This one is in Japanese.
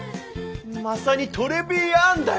まさにトレビアンだよ！